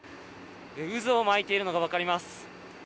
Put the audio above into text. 渦を巻いているのが分かります。